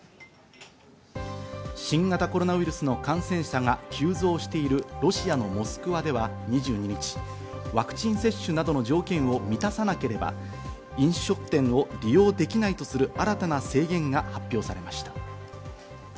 新型コロナウイルスの感染者が急増しているロシアのモスクワでは２２日、ワクチン接種などの条件を満たさなければ、飲食店を利用できないとする新たな政権が発表されました。